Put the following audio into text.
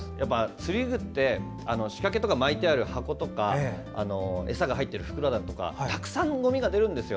釣り具って仕掛けとかが巻いてある箱とか餌が入ってる袋だとかたくさんごみが出るんですよ。